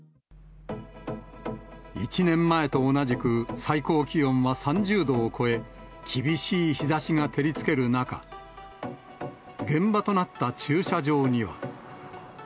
１年前と同じく最高気温は３０度を超え、厳しい日ざしが照りつける中、現場となった駐車場には。